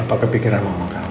apa kepikiran mama kamu